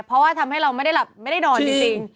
เพราะว่าทำให้เราไม่ได้หลับไม่ได้นอนจริง